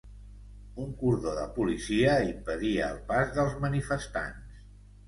Un cordó de policia impedia el pas dels manifestants.